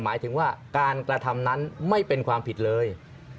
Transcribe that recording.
หมายถึงว่าการกระทำนั้นไม่เป็นความผิดเลย